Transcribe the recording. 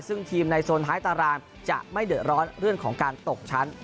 ซึ่งทีมในโซนท้ายตารางจะไม่เดือดร้อนเรื่องของการตกชั้น